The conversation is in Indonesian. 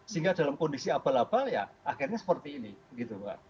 sehingga dalam kondisi abal abal ya akhirnya seperti ini